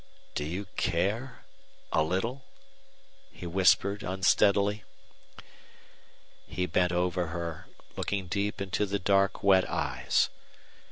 "Do you care a little?" he whispered, unsteadily. He bent over her, looking deep into the dark wet eyes.